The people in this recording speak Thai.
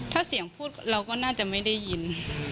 ถ้าเสียงพูดเราก็น่าจะไม่ได้ยิน